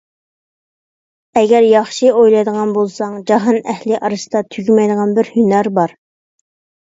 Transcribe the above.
ئەگەر ياخشى ئويلايدىغان بولساڭ، جاھان ئەھلى ئارىسىدا تۈگىمەيدىغان بىر ھۈنەر بار.